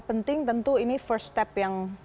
penting tentu ini first step yang